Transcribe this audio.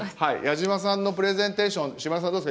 矢島さんのプレゼンテーション島田さん